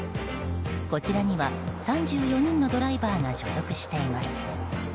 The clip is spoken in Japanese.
こちらには３４人のドライバーが所属しています。